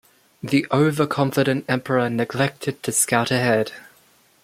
The overconfident Emperor neglected to scout ahead.